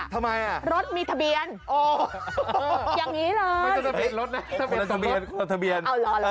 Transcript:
ทำไมเนี่ยะยังงี้เลยมีทะเบียน